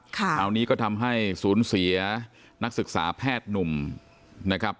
คราวนี้ก็ทำให้สูญเสียนักศึกษาแพทย์หนุ่มนะครับ